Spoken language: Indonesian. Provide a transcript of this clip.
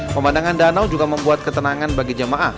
pemandangan danau juga membuat ketenangan bagi jamaah